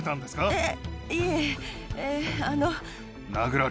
えっ！